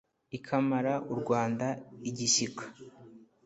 ikamara u rwanda igishyika.